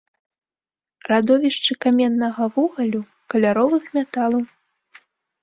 Радовішчы каменнага вугалю, каляровых металаў.